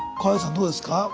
どうですか。